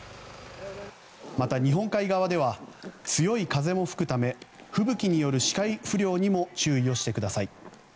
また日本海側では強い風も吹くため吹雪による視界不良にも注意をしてください。